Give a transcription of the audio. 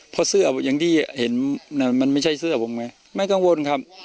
เพราะเสื้ออย่างที่เห็นมันไม่ใช่เสื้อผมไงไม่กังวลครับ